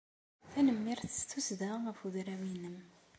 Tanemmirt s tussda ɣef udraw-nnem.